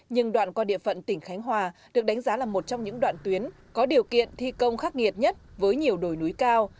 nhưng đoạn qua địa phận tỉnh khánh hòa được đánh giá là một trong những đoạn tuyến có điều kiện thi công khắc nghiệt nhất với nhiều đồi núi cao